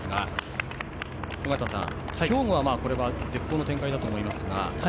尾方さん、兵庫は絶好の展開だと思いますが。